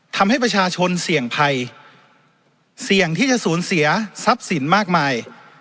ทำให้ประชาชนเสี่ยงภัยเสี่ยงที่จะสูญเสียทรัพย์สินมากมาย